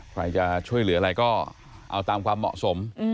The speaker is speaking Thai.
ใครจะช่วยเหลืออะไรก็เอาตามความเหมาะสม